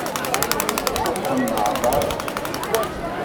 Ur tettuqennɛeḍ ara?